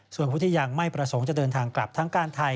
ส่วนผู้ที่ยังไม่ประสงค์จะเดินทางกลับทั้งการไทย